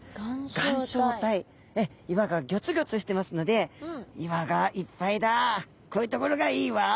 岩がギョつギョつしてますので岩がいっぱいだこういう所がいいわと。